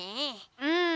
うん。